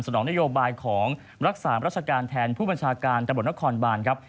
นองนโยบายของรักษารัชการแทนผู้บัญชาการตำรวจนครบานครับ